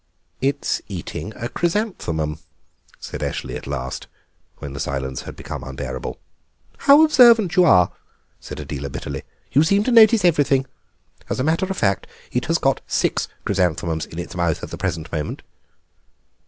"It's eating a chrysanthemum," said Eshley at last, when the silence had become unbearable. "How observant you are," said Adela bitterly. "You seem to notice everything. As a matter of fact, it has got six chrysanthemums in its mouth at the present moment."